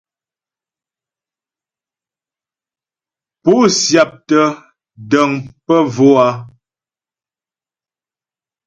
Pó syáptə́ dəŋ pə bvò a ?